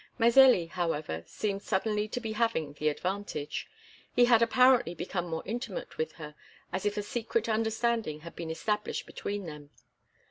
Mazelli, however, seemed suddenly to be having the advantage. He had apparently become more intimate with her, as if a secret understanding had been established between them.